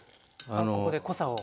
ここで濃さを。